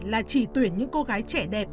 là chỉ tuyển những cô gái trẻ đẹp